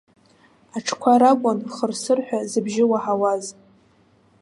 Аҽқәа ракәын хырсырҳәа зыбжьы уаҳауаз.